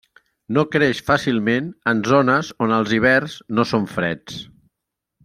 No creix fàcilment en zones on els hiverns no són freds.